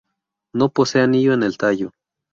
No posee anillo en el tallo.